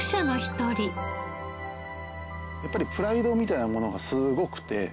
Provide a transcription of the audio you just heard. やっぱりプライドみたいなものがすごくて。